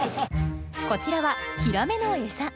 こちらはヒラメの餌。